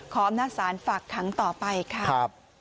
อำนาจศาลฝากขังต่อไปค่ะ